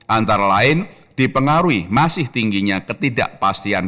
antara lain dipengaruhi masih tingginya ketidakpastian